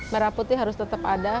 merah putih harus tetap ada